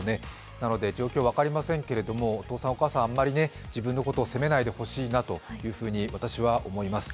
なので状況分かりませんけれども、お父さん、お母さん、あまり自分のことを責めないでほしいなと私は思います。